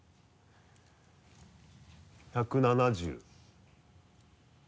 １７０。